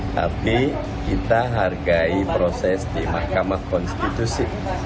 tapi kita hargai proses di mahkamah konstitusi